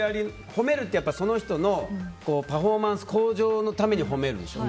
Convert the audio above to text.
褒めるってその人のパフォーマンス向上のために褒めるでしょ。